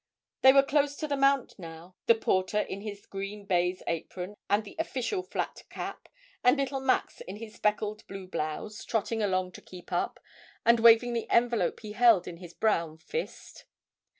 They were close to the mount now, the porter in his green baize apron and official flat cap, and little Max in his speckled blue blouse, trotting along to keep up, and waving the envelope he held in his brown fist.